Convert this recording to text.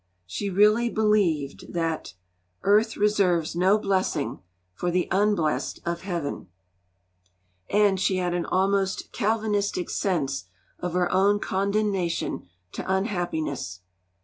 She really believed that Earth reserves no blessing For the unblest of heaven; and she had an almost Calvinistic sense of her own condemnation to unhappiness.